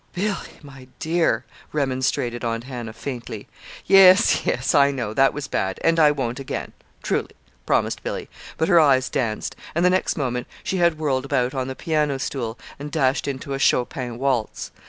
"Billy, my dear!" remonstrated Aunt Hannah, faintly. "Yes, yes, I know; that was bad and I won't again, truly," promised Billy. But her eyes danced, and the next moment she had whirled about on the piano stool and dashed into a Chopin waltz.